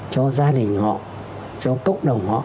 cho gia đình họ cho cộng đồng họ